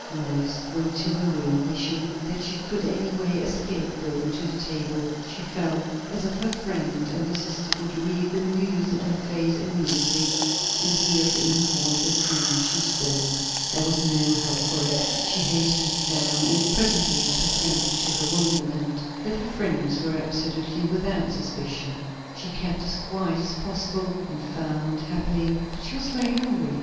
Lois went to her room, wishing that she could any way escape going to the table; she felt as if her friend and her sister would read the news in her face immediately, and hear it in her voice as soon as she spoke. There was no help for it; she hastened down, and presently perceived to her wonderment that her friends were absolutely without suspicion. She kept as quiet as possible, and found, happily, that she was very hungry.